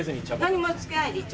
何もつけないで。